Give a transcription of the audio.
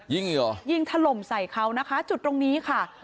ยิงอีกหรอยิงทะลมใส่เขานะคะจุดตรงนี้ค่ะ